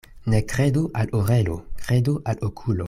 Ne kredu al orelo, kredu al okulo.